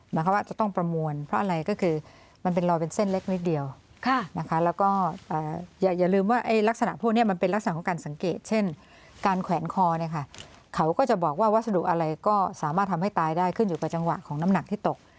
หมายความว่าจะต้องประมวลเพราะอะไรก็คือมันเป็นรอยเป็นเส้นเล็กนิดเดียวนะคะแล้วก็อย่าลืมว่าลักษณะพวกนี้มันเป็นลักษณะของการสังเกตเช่นการแขวนคอเนี่ยค่ะเขาก็จะบอกว่าวัสดุอะไรก็สามารถทำให้ตายได้ขึ้นอยู่กับจังหวะของน้ำหนักที่ตก